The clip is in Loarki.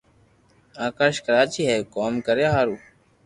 آڪاݾ ڪراچي ھي ڪوم ڪريا ھارون